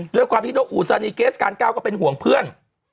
ด้วยความที่นกอุสานีเกสการเก้าก็เป็นห่วงเพื่อน